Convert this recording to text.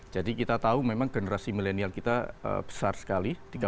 jadi kita tahu memang generasi milenial kita besar sekali